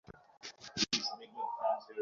তিনি বললেনঃ গোসত।